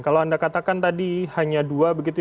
kalau anda katakan tadi hanya dua begitu ya